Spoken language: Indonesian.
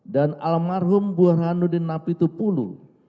dan almarhum burhanuddin namitpulu